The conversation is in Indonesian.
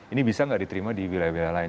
ini bisa nggak diterima di wilayah wilayah lain